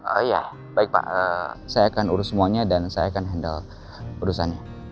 oh iya baik pak saya akan urus semuanya dan saya akan handal urusannya